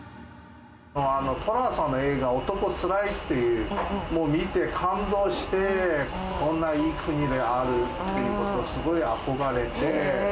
寅さんの映画、男つらいっていう、もう見て感動して、こんなにいい国があるっていうことにすごい憧れて。